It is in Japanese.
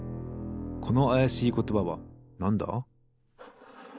このあやしいことばはなんだ？